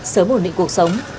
sớm ổn định cuộc sống